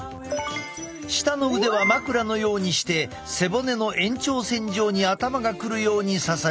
下の腕は枕のようにして背骨の延長線上に頭が来るように支えよう。